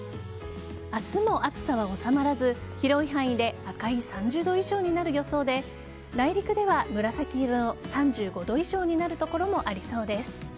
明日も暑さは収まらず広い範囲で赤い３０度以上になる予想で内陸では、紫色の３５度以上になる所もありそうです。